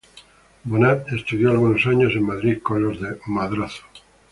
Bonnat estudió algunos años en Madrid, con los Madrazo.